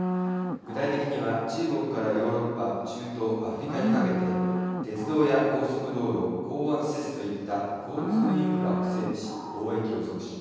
具体的には中国からヨーロッパ中東アフリカにかけて鉄道や高速道路港湾施設といった交通インフラを整備し貿易を促進。